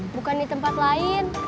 bukan di tempat lain